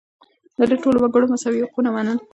ده د ټولو وګړو مساوي حقونه منل.